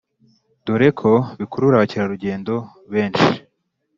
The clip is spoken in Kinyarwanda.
dore ko bikurura abakerarugendo benshi